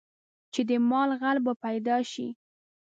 چې د مال غل به یې پیدا شي.